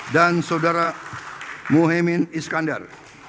dan saudara muhyemin iskandar